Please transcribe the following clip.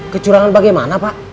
kecurangan bagaimana pak